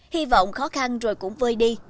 hy vọng khó khăn rồi cũng vơi đi